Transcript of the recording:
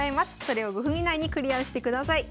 それを５分以内にクリアしてください。